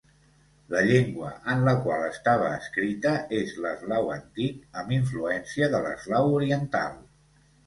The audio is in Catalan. La llengua en la qual estava escrita és l'eslau antic amb influència de l'eslau oriental.